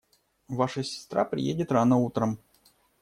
Ваша сестра приедет рано утром.